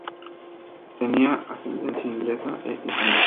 Tenía ascendencia inglesa e irlandesa.